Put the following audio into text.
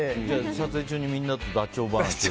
撮影中にみんなとダチョウ話を？